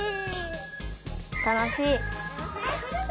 たのしい。